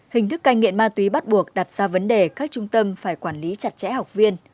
hình thức canh nghiện ma túy bắt buộc đặt ra vấn đề các trung tâm phải quản lý chặt chẽ học viên